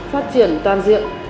phát triển toàn diện